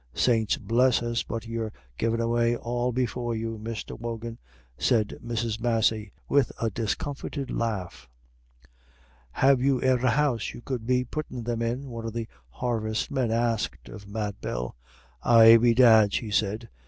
"Saints bless us, but you're givin' away all before you, Mr. Wogan," said Mrs. Massey, with a discomfited laugh. "Have you e'er a house you could be puttin' them in?" one of the harvestmen asked of Mad Bell. "Ay, bedad," she said.